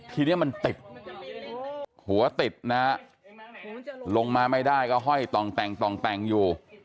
ทีนี้มันติดหัวติดนะฮะลงมาไม่ได้ก็ห้อยต่องแต่งต่องแต่งอยู่